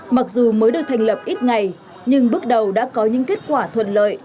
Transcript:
mặc dù mới được thành lập ít ngày nhưng bước đầu đã có những kết quả thuận lợi